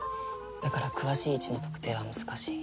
だから詳しい位置の特定は難しい。